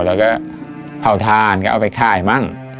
แล้วก็เผาทานก็เอาไปขายมั่ง